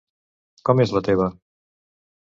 Com és la teva?